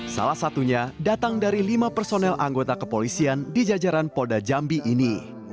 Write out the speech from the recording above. salah satunya datang dari lima personel anggota kepolisian di jajaran polda jambi ini